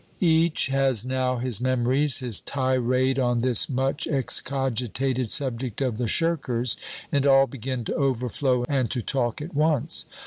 Each has now his memories, his tirade on this much excogitated subject of the shirkers, and all begin to overflow and to talk at once.